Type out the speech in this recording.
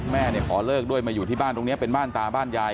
แม่เนี่ยขอเลิกด้วยมาอยู่ที่บ้านตรงนี้เป็นบ้านตาบ้านยาย